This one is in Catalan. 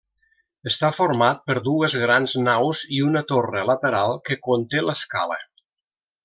Està format per dues grans naus i una torre lateral que conté l'escala.